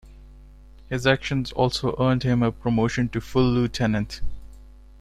His actions also earned him a promotion to full lieutenant.